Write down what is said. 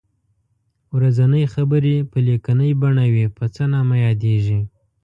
ورځنۍ خبرې په لیکنۍ بڼه وي په څه نامه یادیږي.